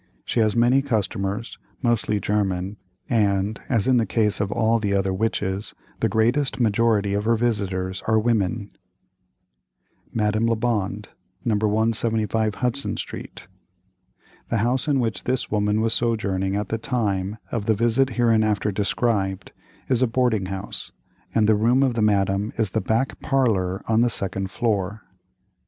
She has many customers, mostly German, and, as in the case of all the other witches, the greatest majority of her visitors are women. MADAME LEBOND, No. 175 HUDSON STREET. The house in which this woman was sojourning at the time of the visit hereinafter described, is a boarding house, and the room of the Madame is the back parlor on the second floor.